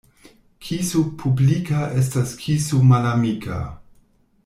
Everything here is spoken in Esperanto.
Kiso publika estas kiso malamika.